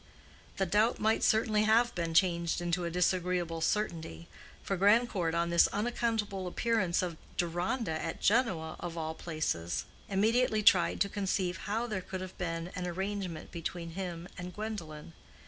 The doubt might certainly have been changed into a disagreeable certainty, for Grandcourt on this unaccountable appearance of Deronda at Genoa of all places, immediately tried to conceive how there could have been an arrangement between him and Gwendolen.